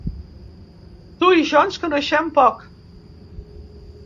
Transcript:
Tu i jo ens coneixem poc.